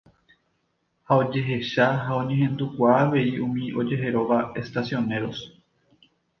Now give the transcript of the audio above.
ha ojehecha ha oñehendukuaa avei umi ojeheróva Estacioneros